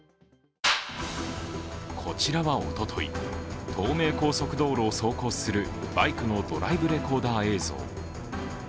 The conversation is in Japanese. こちらはおととい、東名高速道路を走行するバイクのドライブレコーダー映像。